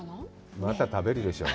また食べるでしょう。